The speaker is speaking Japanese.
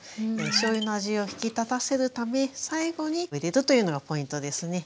しょうゆの味を引き立たせるため最後に入れるというのがポイントですね。